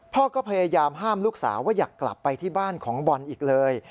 พ่อก็พยายามห้ามลูกสาวว่าอยากกลับไปที่บ้านของบอลอีกเลย